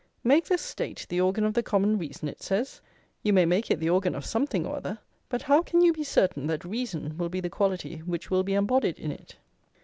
"Make the State the organ of the common reason?" it says. "You may make it the organ of something or other, but how can you be certain that reason will be the quality which will be embodied in it?"